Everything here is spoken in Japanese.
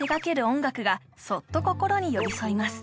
音楽がそっと心に寄り添います